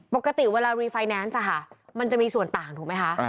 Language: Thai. ปกติเวลารีไฟแนนซ์มันจะมีส่วนต่างถูกไหมคะ